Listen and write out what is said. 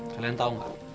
kalian tau gak